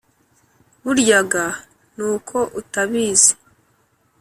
Burya ga ni uko utabizi